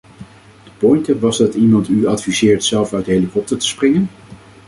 De pointe was dat iemand u adviseert zelf uit de helikopter te springen.